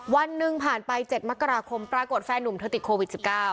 วันหนึ่งผ่านไป๗มกราคมปรากฏแฟนนุ่มเธอติดโควิด๑๙